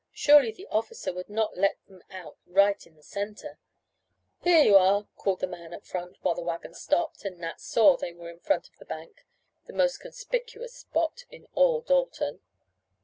Surely the officer would not let them out right in the center! "Here you are!" called the man at front, while the wagon stopped and Nat saw they were in front of the bank, the most conspicuous spot in all Dalton.